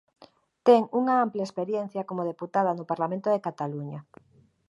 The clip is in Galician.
Ten unha ampla experiencia como deputada no Parlamento de Cataluña.